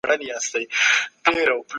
آيا ملائکي په ادم ع باندې خبرې وې؟